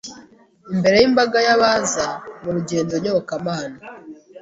imbere y’imbaga y’abaza mu rugendo nyobokamana